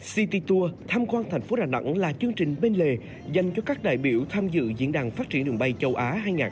city tour tham quan thành phố đà nẵng là chương trình bên lề dành cho các đại biểu tham dự diễn đàn phát triển đường bay châu á hai nghìn hai mươi bốn